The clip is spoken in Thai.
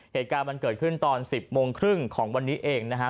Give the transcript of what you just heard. เหตุการณ์มันเกิดขึ้นตอน๑๐โมงครึ่งของวันนี้เองนะฮะ